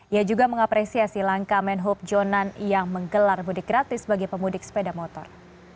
ia juga mengapresiasi langkah menhub jonan yang menggelar mudik gratis bagi pemudik sepeda motor